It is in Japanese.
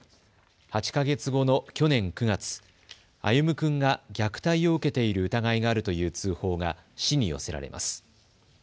８か月後の去年９月、歩夢君が虐待を受けている疑いがあるという通報が市に寄せられます。